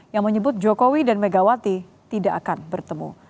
yang menyebut jokowi dan megawati tidak akan bertemu